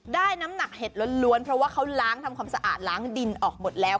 น้ำหนักเห็ดล้วนเพราะว่าเขาล้างทำความสะอาดล้างดินออกหมดแล้ว